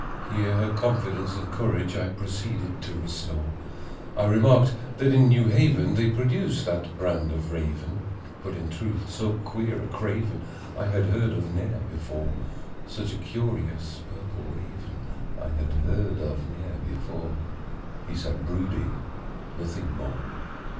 Here her confidence and courage I proceeded to restore. I remarked that in New Haven, they produced that brand of Raven, But in truth, so queer a craven I had heard of ne'er before ; Such a curious Purple Raven I had heard of ne'er before He sat brooding nothing more.